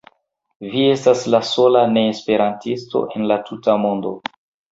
Vi estas la sola neesperantisto en la tuta mondo.